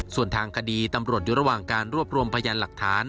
ส่วนทางคดีตำรวจอยู่ระหว่างการรวบรวมพยานหลักฐาน